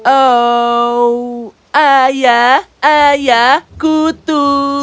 oh ayah ayah kutu